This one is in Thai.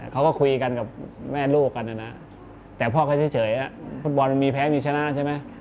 เขาก็คุยกันกับแม่ลูกกันนะนะแต่พ่อเขาเฉยฟุตบอลมันมีแพ้มีชนะใช่ไหม